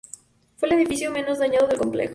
Fue el edificio menos dañado del complejo.